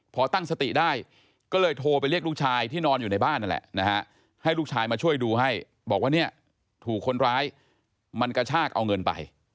พอตั้งสติได้ก็เลยโทรไปเรียกลูกชายที่นอนอยู่ในบ้านนั่นแหละนะฮะให้ลูกชายมาช่วยดูให้บอกว่าเนี่ยถูกคนร้ายมันกระชากเอาเงินไป